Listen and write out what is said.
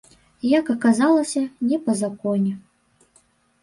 Як аказалася, не па законе.